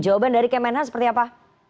jawaban dari kemenhan seperti apa